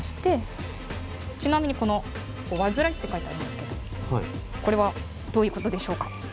ちなみにこの「煩」って書いてありますけどこれはどういうことでしょうか？